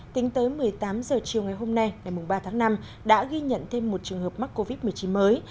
tính tới một mươi tám h chiều ngày hôm nay ngày ba tháng năm đã ghi nhận thêm một trường hợp mắc covid một mươi chín mới